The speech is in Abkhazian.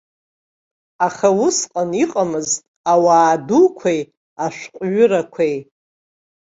Аха усҟан иҟамызт ауаа дуқәеи ашәҟәҩырақәеи.